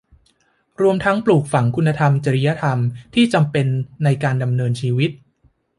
รวมทั้งปลูกฝังคุณธรรมจริยธรรมที่จำเป็นในการดำเนินชีวิต